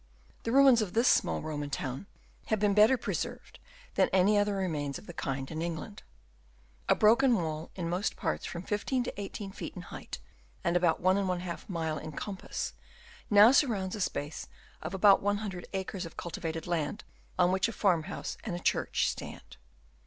— The ruins of this small E oman town have been better pre served than any other remains of the kind in England. A broken wall, in most parts from 15 to 18 feet in height and about 1^ mile in compass, now surrounds a space of about 100 acres of cultivated land, on which a farm house and a church stand.